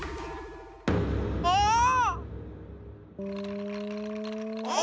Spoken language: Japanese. ああ！